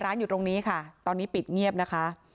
อยู่ตรงนี้ค่ะตอนนี้ปิดเงียบนะคะ